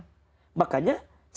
saat kita mencari